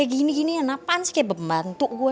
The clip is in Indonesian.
gini gini kenapa sih kayak bantu gue